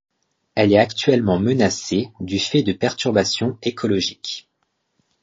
Elle est actuellement menacée du fait de perturbation écologique.